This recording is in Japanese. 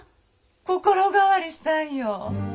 心変わりしたんよ。